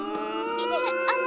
いえあの。